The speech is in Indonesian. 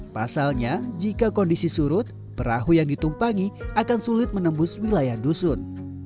pasalnya jika kondisi surut perahu yang ditumpangi akan sulit menembus wilayah dusun